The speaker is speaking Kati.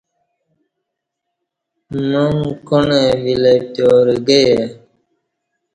معانگ کاݨہ ویلہ پتیارہ گہ یے